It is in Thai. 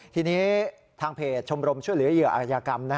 ทีนี้ทางเพจชมรมช่วยเหลือเหยื่ออาจยากรรม